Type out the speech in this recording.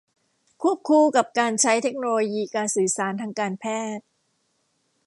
ควบคู่กับการใช้เทคโนโลยีการสื่อสารทางการแพทย์